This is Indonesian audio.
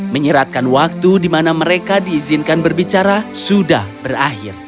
menyeratkan waktu di mana mereka diizinkan berbicara sudah berakhir